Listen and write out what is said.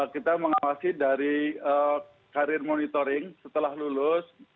kita mengawasi dari karir monitoring setelah lulus